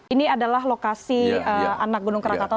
ini adalah lokasi anak gunung krakatau